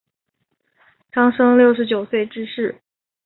张升六十九岁致仕。